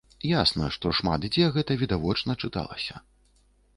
Ясна, што шмат дзе гэта відавочна чыталася.